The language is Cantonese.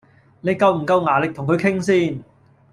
你夠唔夠牙力同佢傾先？